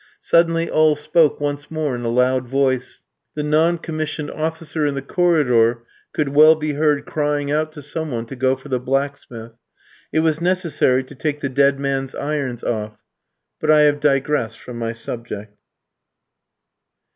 Suddenly all spoke once more in a loud voice. The non commissioned officer in the corridor could well be heard crying out to some one to go for the blacksmith. It was necessary to take the dead man's irons off. But I have digressed from my subject.